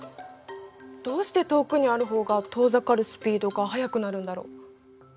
どうして遠くにある方が遠ざかるスピードが速くなるんだろう？